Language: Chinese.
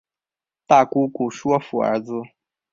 大姑姑说服儿子